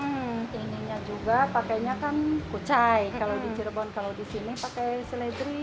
hmm ininya juga pakainya kan kucai kalau di cirebon kalau di sini pakai seledri